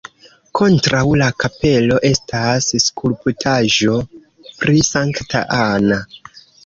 Kontraŭ la kapelo estas skulptaĵo pri Sankta Anna.